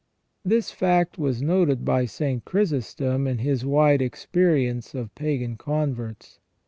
This fact was noted by St. Chrysostom in his wide experience of pagan converts.